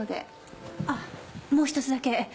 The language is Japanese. あっもう１つだけ。